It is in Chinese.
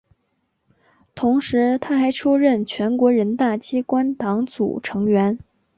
同时她还出任全国人大机关党组成员。